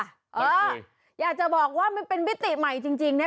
ไม่เคยอยากจะบอกว่ามันเป็นวิติใหม่จริง